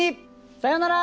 さようなら！